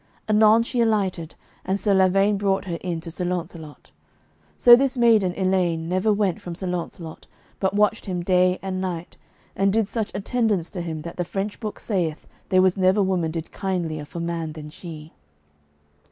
Anon she alighted, and Sir Lavaine brought her in to Sir Launcelot. So this maiden, Elaine, never went from Sir Launcelot, but watched him day and night, and did such attendance to him that the French book saith there was never woman did kindlier for man than she.